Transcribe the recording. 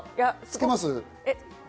つけます？